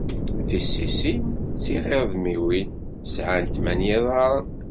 Tisisin d tɣiredmiwin sεant tmenya iḍarren.